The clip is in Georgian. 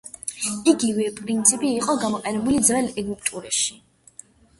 იგივე პრინციპი იყო გამოყენებული ძველ ეგვიპტურში.